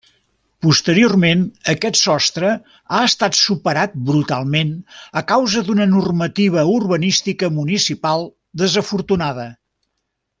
Posteriorment aquest sostre ha estat superat brutalment a causa d'una normativa urbanística municipal desafortunada.